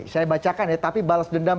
saya bacakan ya tapi balas dendam